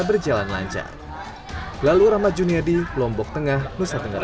berjalan lancar lalu ramadzunyadi lombok tengah nusa tenggara